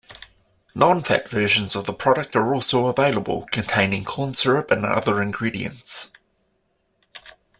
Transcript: Non-fat versions of the product are also available, containing corn syrup and other ingredients.